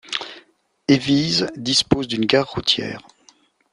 Hévíz dispose d'une gare routière.